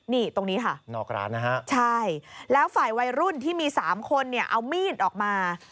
นี่ตรงนี้ค่ะใช่แล้วฝ่ายวัยรุ่นที่มี๓คนเอามีดออกมา